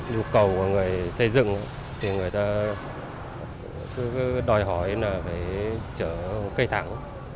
yêu cầu của người xây dựng thì người ta cứ đòi hỏi là phải chở cây thẳng